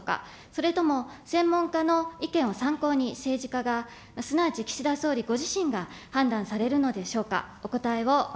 それとも専門家の意見を参考に政治家が、すなわち岸田総理ご自身が判断されるのでしょうか。